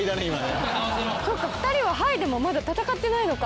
そっか２人は「ＨＩＧＨ」でもまだ戦ってないのか。